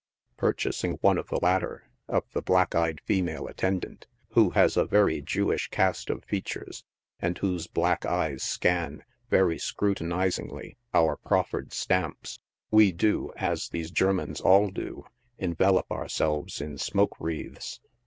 Purchasing one of the latter, of the black eyed female attendant, who has a very Jewish cast of features and whose black eyes scan, very scrutinizingly, our proffered stamps — we do, as these Germans all do, envelop ourselves in smoke wreaths.